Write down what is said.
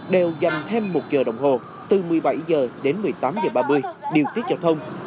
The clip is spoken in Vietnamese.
đều dành thêm một giờ đồng hồ từ một mươi bảy h đến một mươi tám h ba mươi điều tiết giao thông